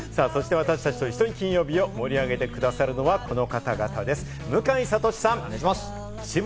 そして、私達と一緒に金曜日を盛り上げて下さるのは、この方たちです。